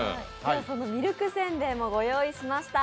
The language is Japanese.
そのミルクせんべいもご用意しました。